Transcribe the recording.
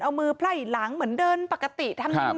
พอครูผู้ชายออกมาช่วยพอครูผู้ชายออกมาช่วย